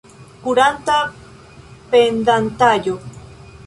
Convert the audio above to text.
Kuranta pendantaĵo.